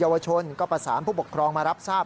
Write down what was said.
วชนก็ประสานผู้ปกครองมารับทราบ